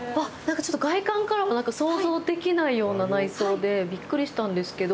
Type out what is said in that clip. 外観からは想像できないような内装でびっくりしたんですけど。